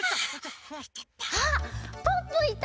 あっポッポいた！